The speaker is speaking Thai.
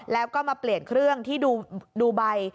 แล้วก็มาเปลี่ยนเครื่องที่ดูใบ